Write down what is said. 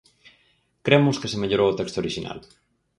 Cremos que se mellorou o texto orixinal.